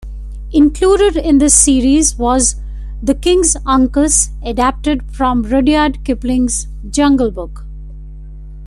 Included in this series was "The King's Ankus", adapted from Rudyard Kipling's "Jungle Book".